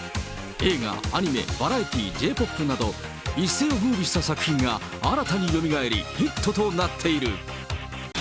映画、アニメ、バラエティー、Ｊ−ＰＯＰなど、一世をふうびした作品が新たによみがえり、ヒットとなっている。